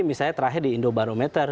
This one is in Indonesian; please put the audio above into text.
misalnya terakhir di indobarometer